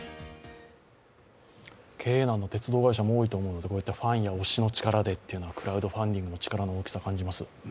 経営難の鉄道会社も多いのでこういったファンや推しの力でというのはクラウドファンディングの力の大きさを感じます。